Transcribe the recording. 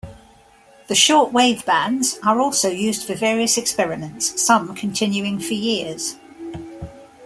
The short wave bands are also used for various experiments, some continuing for years.